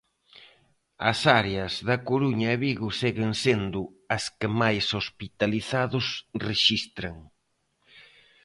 As áreas da Coruña e Vigo seguen sendo as que máis hospitalizados rexistran.